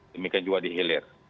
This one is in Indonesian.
demikian juga di hilir